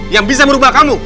yang bisa merubah kamu